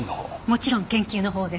もちろん研究のほうです。